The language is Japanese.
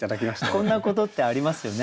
こんなことってありますよね。